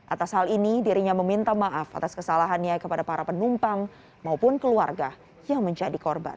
atas hal ini dirinya meminta maaf atas kesalahannya kepada para penumpang maupun keluarga yang menjadi korban